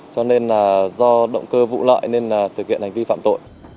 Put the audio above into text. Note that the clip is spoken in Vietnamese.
cho nên là do động cơ vụ lợi nên thực hiện hành vi phạm tội